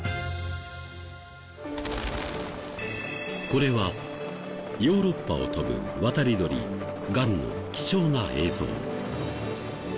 これはヨーロッパを飛ぶ渡り鳥ガンの貴重な映像。